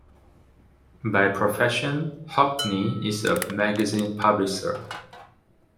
By profession, Hockney is a magazine publisher.